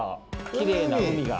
きれいな海が。